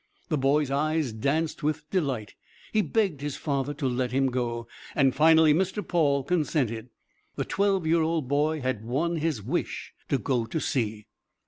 The boy's eyes danced with delight; he begged his father to let him go, and finally Mr. Paul consented. The twelve year old boy had won his wish to go to sea.